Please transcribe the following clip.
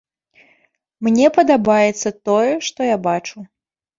Мне падабаецца тое, што я бачу.